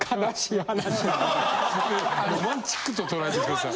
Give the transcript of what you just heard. ロマンチックと捉えてください。